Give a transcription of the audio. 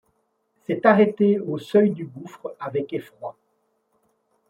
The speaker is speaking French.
S’est arrêtée au seuil du gouffre avec effroi.